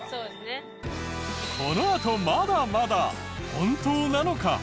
このあとまだまだ本当なのか？